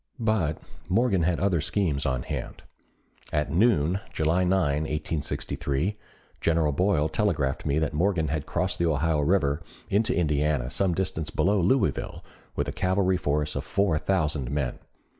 But Morgan had other schemes on hand. At noon July 9, 1863, General Boyle telegraphed me that Morgan had crossed the Ohio River into Indiana some distance below Louisville with a cavalry force of four thousand men.